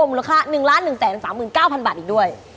มูลค่า๑๑๓๙๐๐บาทอีกด้วย